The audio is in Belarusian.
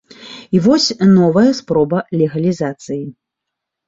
І вось новая спроба легалізацыі.